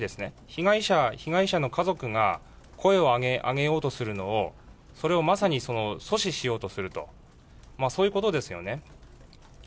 被害者、被害者の家族が声を上げようとするのを、それをまさに阻止しようとすると、そういうことですよね。